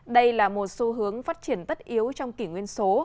đây là một xu hướng phát triển tất yếu trong kỷ nguyên số